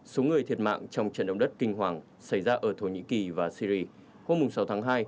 số người thiệt mạng trong trận động đất kinh hoàng xảy ra ở thổ nhĩ kỳ và syri hôm sáu tháng hai